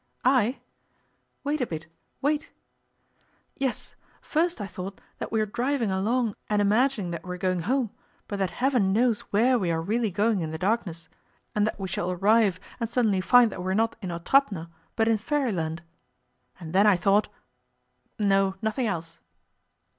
"I? Wait a bit, wait.... Yes, first I thought that we are driving along and imagining that we are going home, but that heaven knows where we are really going in the darkness, and that we shall arrive and suddenly find that we are not in Otrádnoe, but in Fairyland. And then I thought... No, nothing else."